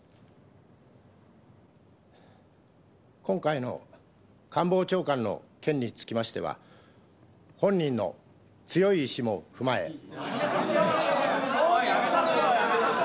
「今回の官房長官の件につきましては本人の強い意志も踏まえ」